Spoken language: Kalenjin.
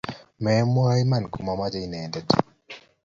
Memwa iman komochome inendet